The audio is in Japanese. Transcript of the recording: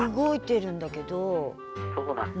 そうなんですね。